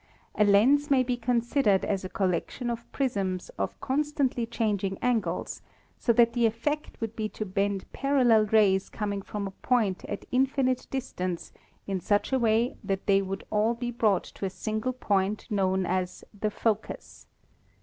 A lens may be considered as a collection of prisms of constantly changing angles, so that the effect would be to bend parallel rays coming from a point at infinite distance in such a way that they would all be brought to a single point known as the focus.